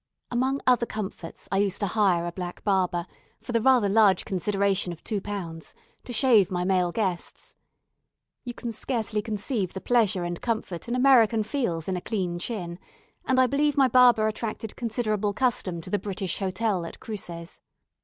Among other comforts, I used to hire a black barber, for the rather large consideration of two pounds, to shave my male guests. You can scarcely conceive the pleasure and comfort an American feels in a clean chin; and I believe my barber attracted considerable custom to the British Hotel at Cruces.